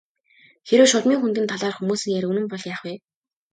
Хэрэв Шулмын хөндийн талаарх хүмүүсийн яриа үнэн бол яах вэ?